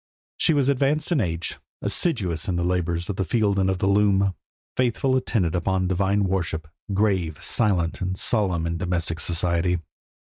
She was advanced in age; assiduous in the labours of the field and of the loom; a faithful attendant upon divine worship; grave, silent, and solemn in domestic society.